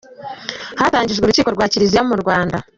Hatangijwe urukiko rwa Kiliziya mu Rwanda.